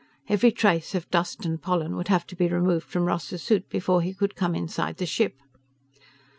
Every trace of dust and pollen would have to be removed from Ross's suit before he could come inside the ship.